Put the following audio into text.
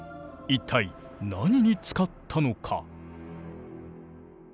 一体何に使ったのか？